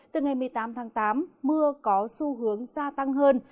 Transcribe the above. từ ngày một mươi tám tháng tám mưa có xu hướng gia tăng hơn